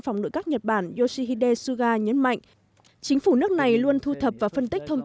phòng nội các nhật bản yoshihide suga nhấn mạnh chính phủ nước này luôn thu thập và phân tích thông